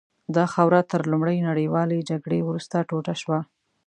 دا خاوره تر لومړۍ نړیوالې جګړې وروسته ټوټه شوه.